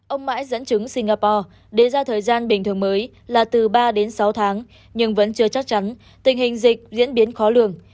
ông mãi dẫn chứng singapore đề ra thời gian bình thường mới là từ ba đến sáu tháng nhưng vẫn chưa chắc chắn tình hình dịch diễn biến khó lường